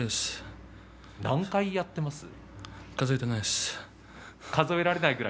何回やっていますか？